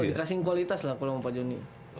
dikasih kualitas lah kalau sama pak joni